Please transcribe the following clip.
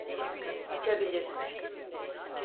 Açabilirsin.